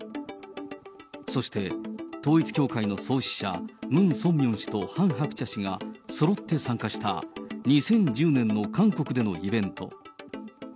そして統一教会の創始者、ムン・ソンミョン氏とハン・ハクチャ氏がそろって参加した、２０１０年の韓国でのイベント。